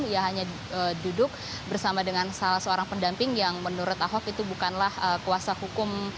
ia hanya duduk bersama dengan salah seorang pendamping yang menurut ahok itu bukanlah kuasa hukum